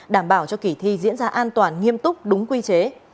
đảm bảo cho kỳ thi diễn ra an toàn nghiêm túc đúng quy chế